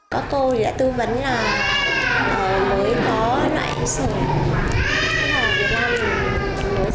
các cô đã tư vấn là mới có loại sởi rubella việt nam mới sản xuất trước đây thì là tiêm sởi rubella ở ấn độ nhưng mà lần này các cô tư vấn là việt nam mới sản xuất thì là tốt